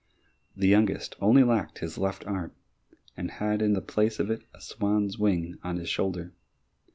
The youngest only lacked his left arm, and had in the place of it a swan's wing on his shoulder.